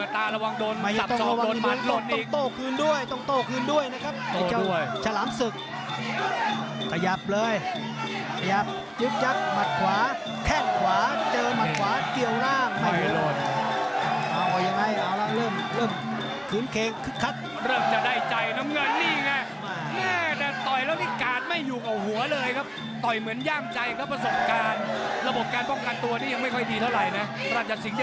เปิดตาระวังโดนสับสอบโดนต้องโต้คืนด้วยต้องโต้คืนด้วยต้องโต้คืนด้วยต้องโต้คืนด้วยต้องโต้คืนด้วยต้องโต้คืนด้วยต้องโต้คืนด้วยต้องโต้คืนด้วยต้องโต้คืนด้วยต้องโต้คืนด้วยต้องโต้คืนด้วยต้องโต้คืนด้วยต้องโต้คืนด้วยต้องโต้คืนด้วยต้องโต้คืนด้วยต้องโต้